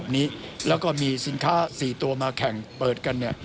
ในปี๒๕๖๐